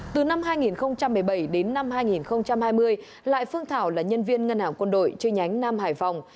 từ năm hai nghìn một mươi bảy đến năm hai nghìn hai mươi lại phương thảo là nhân viên ngân hàng quân đội chi nhánh nam hải phòng